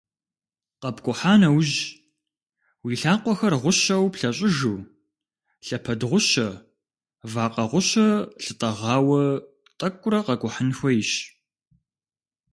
КъэпкӀухьа нэужь, уи лъакъуэхэр гъущэу плъэщӀыжу, лъэпэд гъущэ, вакъэ гъущэ лъытӀэгъауэ тӀэкӀурэ къэкӀухьын хуейщ.